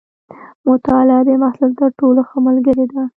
مطالعه د محصل تر ټولو ښه ملګرې ده.